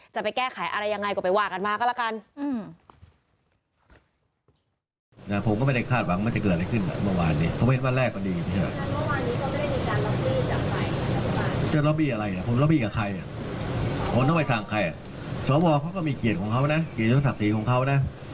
จะไปแก้ไขอะไรยังไงก็ไปว่ากันมาก็แล้วกัน